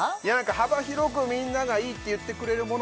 幅広くみんながいいって言ってくれるもの